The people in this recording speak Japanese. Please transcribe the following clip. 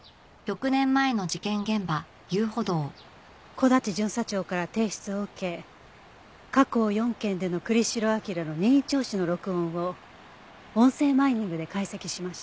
木立巡査長から提出を受け過去４件での栗城明良の任意聴取の録音を音声マイニングで解析しました。